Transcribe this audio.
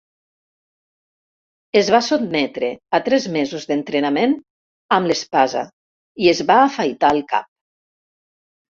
Es va sotmetre a tres mesos d'entrenament amb l'espasa i es va afaitar el cap.